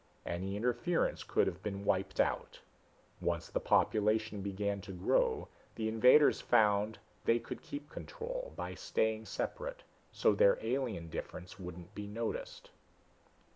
Any interference could have been wiped out. Once the population began to grow, the invaders found they could keep control by staying separate, so their alien difference wouldn't be noticed."